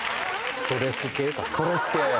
ストレス系？